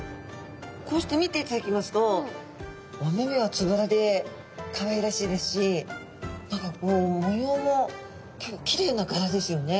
こうして見ていただきますとお目々はつぶらでかわいらしいですし何かこう模様も結構きれいながらですよね。